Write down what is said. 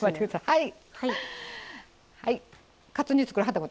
はい。